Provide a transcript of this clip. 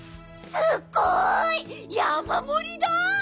すっごいやまもりだ！